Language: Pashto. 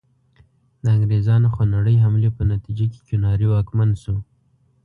د انګریزانو خونړۍ حملې په نتیجه کې کیوناري واکمن شو.